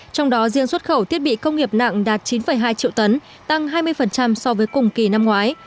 trong đó riêng xuất khẩu thiết bị công nghiệp nặng đạt chín hai triệu tấn tăng hai mươi so với cùng kỳ năm ngoái